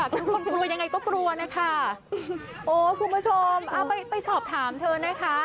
บางคนกลัวยังไงก็กลัวนะคะโอ้คุณผู้ชมเอาไปไปสอบถามเธอนะคะ